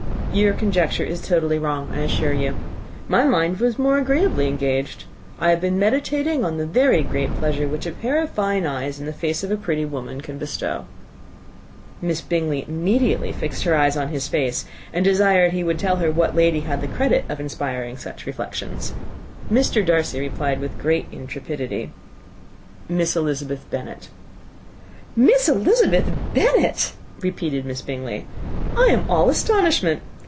"Your conjecture is totally wrong, I assure you. My mind was more agreeably engaged. I have been meditating on the very great pleasure which a pair of fine eyes in the face of a pretty woman can bestow." Miss Bingley immediately fixed her eyes on his face, and desired he would tell her what lady had the credit of inspiring such reflections. Mr. Darcy replied, with great intrepidity, "Miss Elizabeth Bennet." "Miss Elizabeth Bennet!" repeated Miss Bingley. "I am all astonishment.